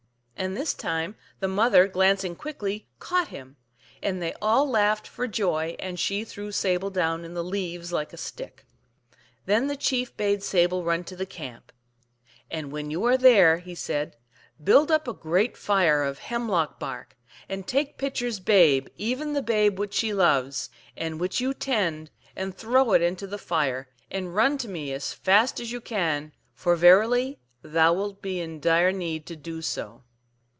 " And this time the mother, glancing quickly, caught him, and they all laughed ijor joy, and she threw Sable down in the leaves, like |a stick. Then the chief bade Sable run to the camp. "xVnd when you are there," he said, "build up a great fire of hemlock bark, and take Pitcher s babe, even the ,pabe which she loves, and which you tend, and throw it into the fire, and run to me as fast as you can, for verily thou wilt be in dire need to do so."